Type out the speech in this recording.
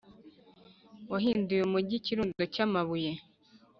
Wahinduye umugi ikirundo cy amabuye